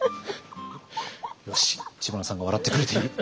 よしっ知花さんが笑ってくれている。